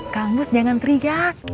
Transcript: kang mus jangan teriak